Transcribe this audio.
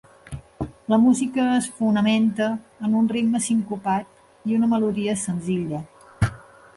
La música es fonamenta en un ritme sincopat i una melodia senzilla.